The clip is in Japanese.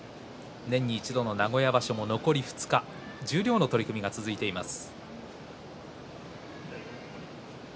年に一度の名古屋場所も残り２日十両の取組が続いています。